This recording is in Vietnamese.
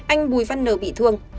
anh bùi văn nờ bị thương